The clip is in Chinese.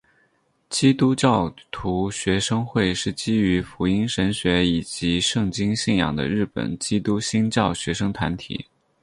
基督教徒学生会是基于福音神学以及圣经信仰的日本基督新教学生团体。